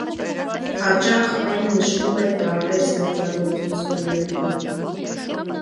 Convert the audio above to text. Հաճախ այն նշվում է տարբեր ստեղծագործություններում։